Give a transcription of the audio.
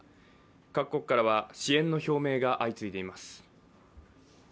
各国からは支援の表明が相次いでいます。